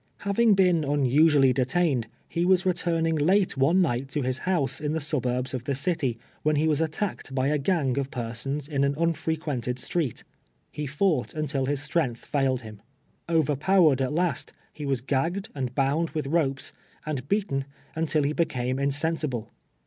Having been miusually detained, he was returning late one night to his house in the suburbs of the city, when he was attacked by a gang of persons in an uufreipientcd street. He fouglit nntil his strength failed him. Overjjowered at last, lie was gagged and bound with ropes, and beaten, nntil he became insensible.